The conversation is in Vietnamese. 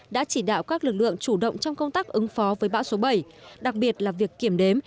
đã chỉ đạo các lực lượng chủ động trong công tác ứng phó với bão số bảy đặc biệt là việc kiểm đếm